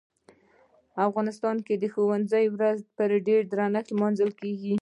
په افغانستان کې د ښوونکي ورځ په ډیر درنښت لمانځل کیږي.